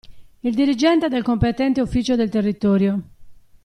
Il dirigente del competente ufficio del territorio.